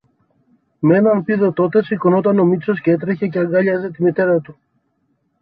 Μ' έναν πήδο τότε σηκώνουνταν ο Μήτσος κι έτρεχε και αγκάλιαζε τη μητέρα του.